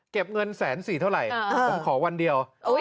เงินแสนสี่เท่าไหร่ผมขอวันเดียว